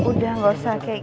udah gak usah